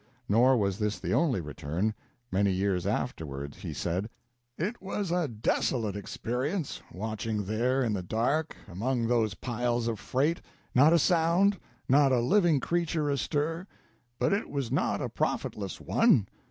Nor was this the only return; many years afterward he said: "It was a desolate experience, watching there in the dark, among those piles of freight; not a sound, not a living creature astir. But it was not a profitless one.